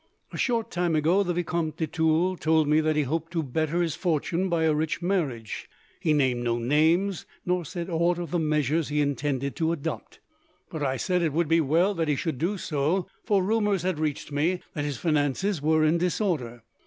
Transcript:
A short time ago, the Vicomte de Tulle told me that he hoped to better his fortune by a rich marriage. He named no names, nor said aught of the measures he intended to adopt. But I said it would be well that he should do so, for rumours had reached me that his finances were in disorder.